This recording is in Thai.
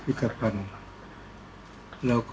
ก็ต้องทำอย่างที่บอกว่าช่องคุณวิชากำลังทำอยู่นั่นนะครับ